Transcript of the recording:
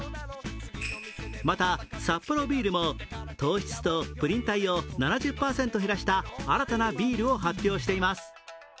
また、サッポロビールも糖質とプリン体を７０％減らした新たなビールを発表しています。